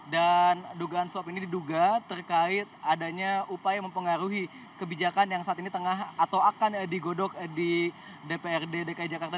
dan dugaan soap ini diduga terkait adanya upaya mempengaruhi kebijakan yang saat ini tengah atau akan digodok di dprd dki jakarta